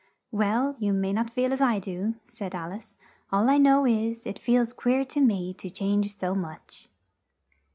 "Well, you may not feel as I do," said Al ice; "all I know is, it feels queer to me to change so much."